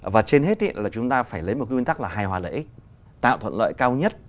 và trên hết là chúng ta phải lấy một cái nguyên tắc là hài hòa lợi ích tạo thuận lợi cao nhất